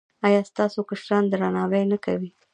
ایا ستاسو کشران درناوی نه کوي؟